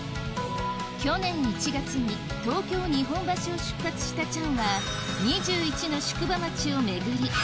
去年１月に東京・日本橋を出発したチャンは２１の宿場町を巡り